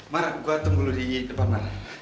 mak gua tunggu lu di depan mak